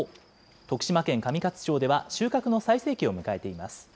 徳島県上勝町では、収穫の最盛期を迎えています。